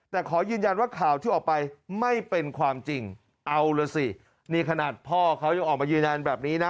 แต่ขอยืนยันว่าข่าวที่ออกไปไม่เป็นความจริงเอาล่ะสินี่ขนาดพ่อเขายังออกมายืนยันแบบนี้นะ